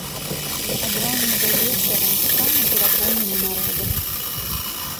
Ад рання да вечара крамы перапоўнены народам.